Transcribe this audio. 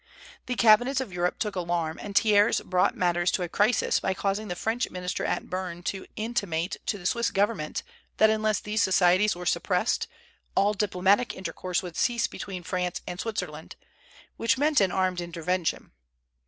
The cabinets of Europe took alarm, and Thiers brought matters to a crisis by causing the French minister at Berne to intimate to the Swiss government that unless these societies were suppressed all diplomatic intercourse would cease between France and Switzerland, which meant an armed intervention.